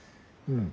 うん。